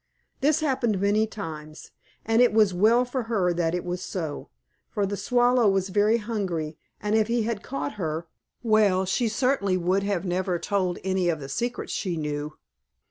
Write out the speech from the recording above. This happened many times, and it was well for her that it was so, for the Swallow was very hungry, and if he had caught her well, she certainly would never have told any of the secrets she knew.